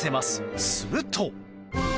すると。